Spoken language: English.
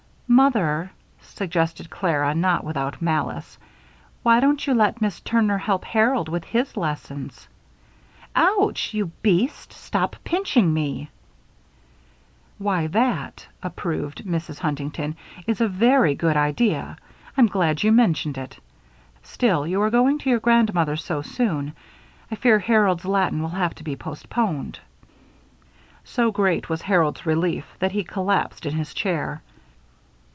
"Mother," suggested Clara, not without malice, "why don't you let Miss Turner help Harold with his lessons ouch! you beast! stop pinching me." "Why, that," approved Mrs. Huntington, "is a very good idea. I'm glad you mentioned it. Still, you are going to your grandmother's so soon I fear Harold's Latin will have to be postponed." So great was Harold's relief that he collapsed in his chair.